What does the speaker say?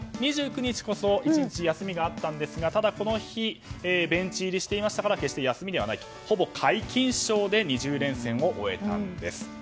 ２９日こそ１日休みがあったんですがこの日ベンチ入りしていましたからまだ決して休みではないとほぼ皆勤賞で２０連戦を終えたんです。